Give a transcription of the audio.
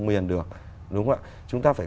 miền được đúng không ạ chúng ta phải